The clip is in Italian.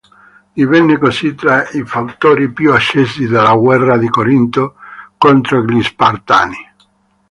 Divenne così tra i fautori più accesi della guerra di Corinto contro gli Spartani.